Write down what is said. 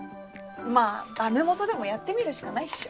まぁダメ元でもやってみるしかないっしょ。